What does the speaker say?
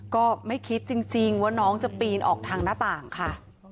ก็ไม่คิดจริงว่าน้องจะปีนออกทางหน้าต่างค่ะ